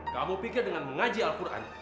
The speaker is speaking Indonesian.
kamu pikir dengan mengaji al quran